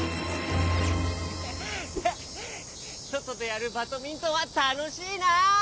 そとでやるバドミントンはたのしいな。